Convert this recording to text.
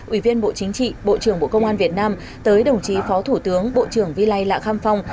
ủy viên bộ chính trị bộ trưởng bộ công an việt nam tới đồng chí phó thủ tướng bộ trưởng vi lai lạ kham phong